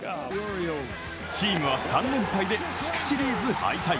チームは３連敗で地区シリーズ敗退。